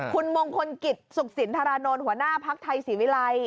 คุณมงคลกิจสุขสินธารานนท์หัวหน้าภักดิ์ไทยศรีวิรัย